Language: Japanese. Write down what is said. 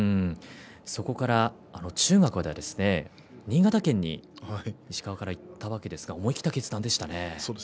そこから中学まで新潟県に石川から行ったわけですが思い切った決断でしたね。